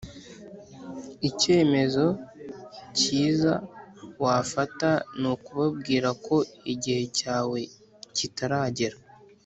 ikemezo kiza wafata ni ukubabwira ko igihe cyawe kitaragera